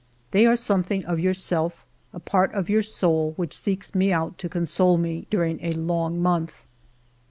They are some thing of yourself, a part of your soul which seeks me out to console me during a long month.